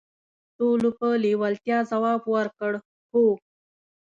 ټولو په لیوالتیا ځواب ورکړ: "هو".